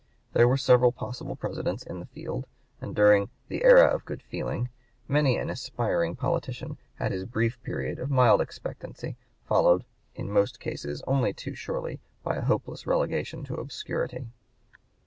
There were several possible presidents in the field, and during the "era of good feeling" many an aspiring politician had his brief period of mild expectancy followed in most cases only too surely by a hopeless relegation to obscurity.